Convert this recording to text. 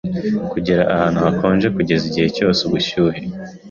kugera ahantu hakonje kugeza igihe cyose ubushyuhe